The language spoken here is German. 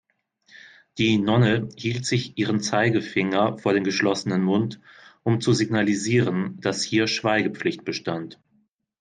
Die Nonne hielt sich ihren Zeigefinger vor den geschlossenen Mund, um zu signalisieren, dass hier Schweigepflicht bestand.